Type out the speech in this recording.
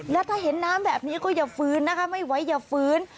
แล้วถ้าเห็นน้ำแบบนี้ก็อย่าฟื้นนะคะไม่ไหวอย่าฟื้น